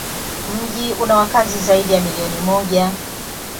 Mji una wakazi zaidi ya milioni moja.